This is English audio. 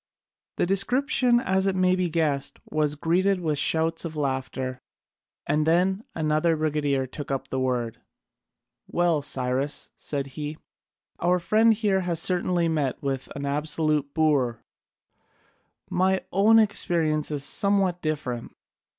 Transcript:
The description, as may be guessed, was greeted with shouts of laughter, and then another brigadier took up the word: "Well, Cyrus," said he, "our friend here has certainly met with an absolute boor: my own experience is somewhat different.